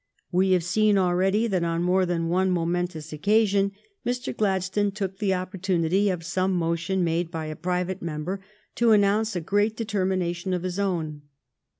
We have seen already that, on more than one momentous occasion, Mr. Glad stone took the opportunity of some motion made by a private member to announce a great deter mination of his own.